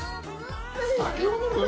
酒を飲む？